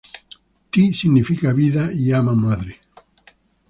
Ti significa vida y "ama", madre.